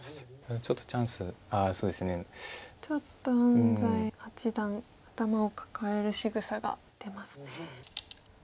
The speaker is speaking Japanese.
ちょっと安斎八段頭を抱えるしぐさが出ますね。